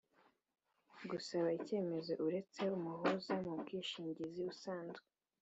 Gusaba icyemezo Uretse umuhuza mu bwishingizi usanzwe,